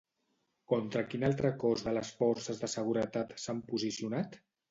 Contra quin altre cos de les forces de seguretat s'han posicionat?